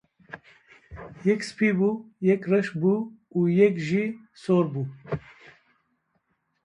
Yek spî bû, yek reş bû û yek jî sor bû.